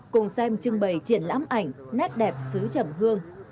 cùng xem trưng bày triển lãm ảnh nét đẹp xứ chầm hương